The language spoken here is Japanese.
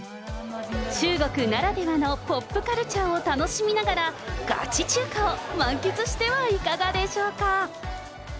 中国ならではのポップカルチャーを楽しみながら、ガチ中華を満喫してはいかがでしょうか。